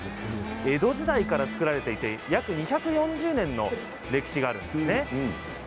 江戸時代から作られていて約２４０年の歴史があるんですね。